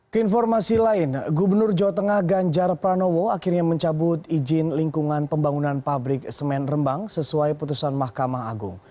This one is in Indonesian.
keinformasi lain gubernur jawa tengah ganjar pranowo akhirnya mencabut izin lingkungan pembangunan pabrik semen rembang sesuai putusan mahkamah agung